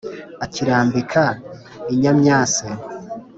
akirambika i nyamyase!